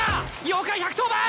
妖怪１１０番！